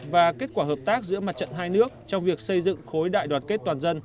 và kết quả hợp tác giữa mặt trận hai nước trong việc xây dựng khối đại đoàn kết toàn dân